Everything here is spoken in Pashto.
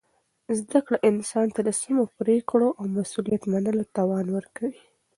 زده کړه انسان ته د سمو پرېکړو او مسؤلیت منلو توان ورکوي.